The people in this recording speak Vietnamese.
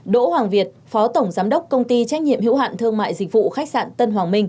đỗ hoàng việt phó tổng giám đốc công ty trách nhiệm hữu hạn thương mại dịch vụ khách sạn tân hoàng minh